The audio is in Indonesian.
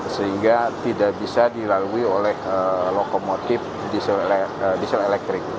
sehingga tidak bisa dilalui oleh lokomotif diesel elektrik